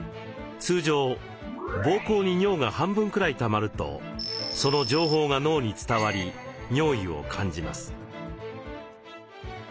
通常膀胱に尿が半分くらいたまるとその情報が脳に伝わり尿意を感じます。